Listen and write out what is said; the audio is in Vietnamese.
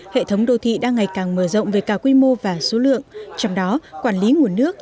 hệ thống đô thị đang ngày càng mở rộng về cao quy mô và số lượng trong đó quản lý nguồn nước